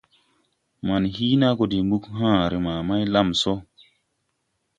Man Hiina go de mbug hããre ma Maylamso.